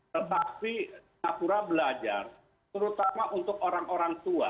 tetapi singapura belajar terutama untuk orang orang tua